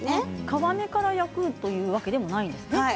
皮目から焼くというわけではないんですね。